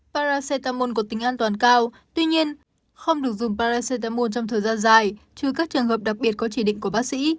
paracetamol có tính an toàn cao tuy nhiên không được dùng paracetamol trong thời gian dài trừ các trường hợp đặc biệt có chỉ định của bác sĩ